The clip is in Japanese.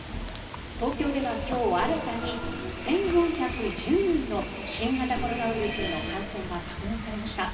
東京では今日新たに１４１０人の新型コロナウイルスへの感染が確認されました。